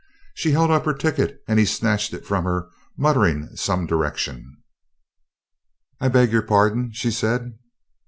She held up her ticket and he snatched it from her muttering some direction. "I beg your pardon?" she said.